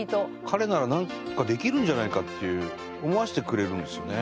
彼ならなんかできるんじゃないかっていう思わせてくれるんですよね。